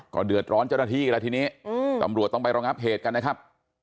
เดือดร้อนเจ้าหน้าที่แล้วทีนี้ตำรวจต้องไปรองับเหตุกันนะครับ